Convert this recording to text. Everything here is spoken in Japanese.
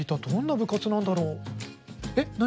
えっ何？